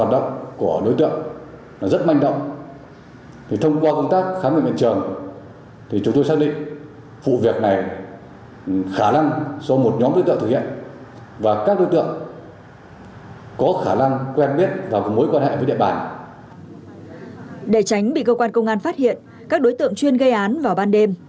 để tránh bị cơ quan công an phát hiện các đối tượng chuyên gây án vào ban đêm